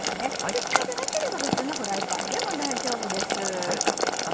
鉄鍋なければ普通のフライパンでも大丈夫です。